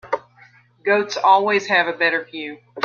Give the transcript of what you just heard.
Goats always have a better view.